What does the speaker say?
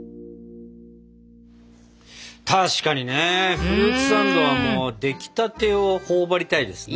確かにねフルーツサンドはもうできたてを頬張りたいですね。